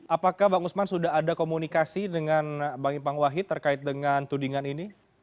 apakah bang usman sudah ada komunikasi dengan bang ipang wahid terkait dengan tudingan ini